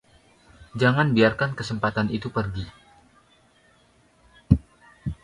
Jangan biarkan kesempatan itu pergi.